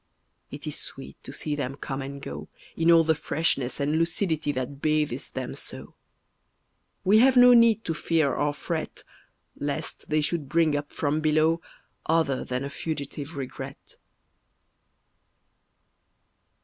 It is sweet to see them come and go In all the freshness and lucidity That bathes them so; We have no need to fear or fret Lest they should bring up from below Other than a fugitive regret.